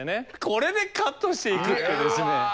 これでカットしていくっていうですね。